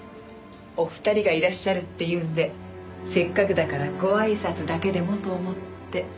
お二人がいらっしゃるっていうんでせっかくだからごあいさつだけでもと思って。